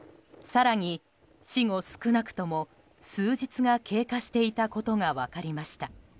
更に、死後少なくとも数日が経過していたことが分かりました。